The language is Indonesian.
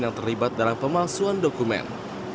yang terlibat dalam pemalsuan dokumen